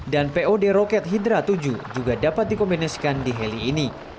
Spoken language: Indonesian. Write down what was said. dan pod roket hydra tujuh juga dapat dikombinasikan di heli ini